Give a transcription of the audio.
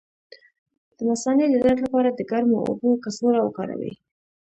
د مثانې د درد لپاره د ګرمو اوبو کڅوړه وکاروئ